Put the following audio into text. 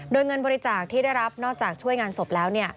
โดยเงินบริจาคที่ได้รับนอกจากช่วยงานศพแล้ว